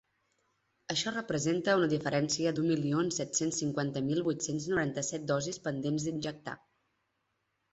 Això representa una diferència d’u milions set-cents cinquanta mil vuit-cents noranta-set dosis pendents d’injectar.